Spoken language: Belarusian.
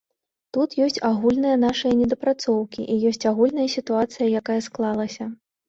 Тут ёсць агульныя нашыя недапрацоўкі і ёсць агульная сітуацыя, якая склалася.